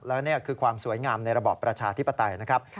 และนี่คือความสวยงามในระบอบประชาธิปไตยนะครับ